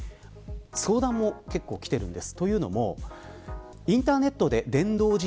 相談も結構、きているんです。